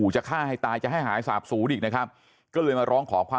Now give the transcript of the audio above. เพราะว่าหนูก็กลัว